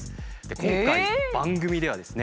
今回番組ではですね